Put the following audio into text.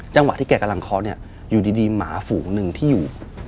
จังหวะที่แกกำลังเคาะเนี่ยอยู่ดีหมาฝูหนึ่งที่อยู่